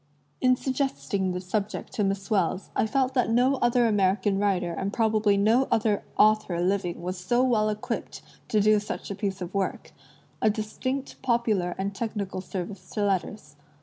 In suggesting the subject to Miss Wells, I felt that no other American writer and probably no other author living was so well equipped to do such a piece of work — a distinct popular and technical service to letters.